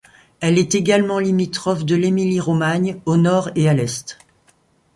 Elle est également limitrophe de l'Émilie-Romagne au nord et à l'est.